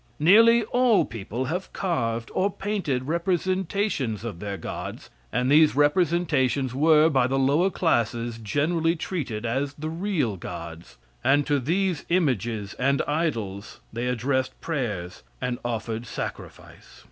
Nearly all people have carved or painted representations of their gods, and these representations were, by the lower classes generally treated as the real gods, and to these images and idols they addressed prayers and offered sacrifice.